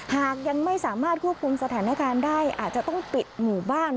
หากยังไม่สามารถควบคุมสถานการณ์ได้อาจจะต้องปิดหมู่บ้าน